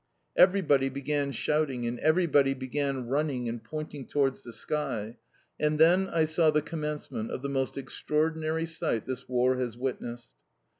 Everybody began shouting and everybody began running and pointing towards the sky; and then I saw the commencement of the most extraordinary sight this war has witnessed.